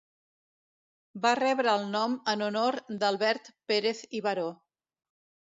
Va rebre el nom en honor d'Albert Pérez i Baró.